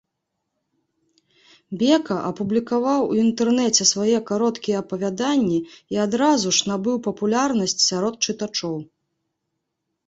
Бека апублікаваў у інтэрнэце свае кароткія апавяданні і адразу ж набыў папулярнасць сярод чытачоў.